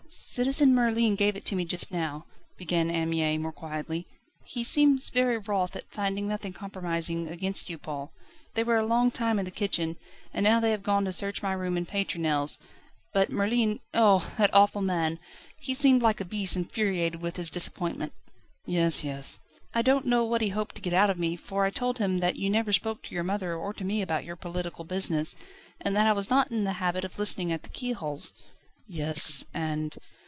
"Citizen Merlin gave it to me just now," began Anne Mie more quietly; "he seems very wroth at finding nothing compromising against you, Paul. They were a long time in the kitchen, and now they have gone to search my room and Pétronelle's; but Merlin oh! that awful man! he seemed like a beast infuriated with his disappointment." "Yes, yes." "I don't know what he hoped to get out of me, for I told him that you never spoke to your mother or to me about your political business, and that I was not in the habit of listening at the keyholes." "Yes. And